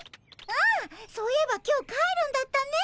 ああそういえば今日帰るんだったね。